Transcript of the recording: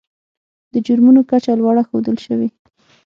د جرمونو کچه لوړه ښودل شوې.